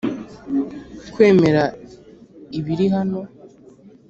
kwemera ibiri hano?